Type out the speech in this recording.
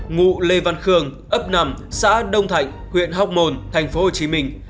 ngụ lê văn khương ấp nằm xã đông thạnh huyện hóc mồn thành phố hồ chí minh